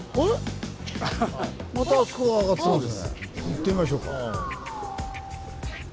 行ってみましょうか。